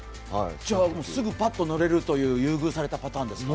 すぐパッと乗れるという優遇されたパターンですか？